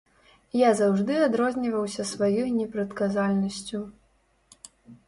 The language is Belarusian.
Я заўжды адрозніваўся сваёй непрадказальнасцю.